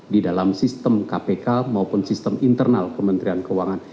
di dalam sistem kpk maupun sistem internal kementerian keuangan